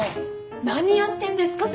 何やってんですか？